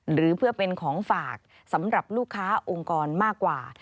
หรือเพื่อเป็นของฝากสำหรับลูกค้าองค์กรมากกว่า